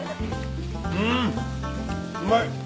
うんうまい！